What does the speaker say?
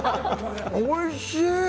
おいしい！